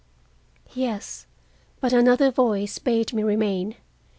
Yes, but another voice bade me remain.